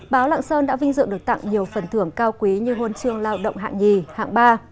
báo lạng sơn đã vinh dự được tặng nhiều phần thưởng cao quý như hôn chương lao động hạng nhì hạng ba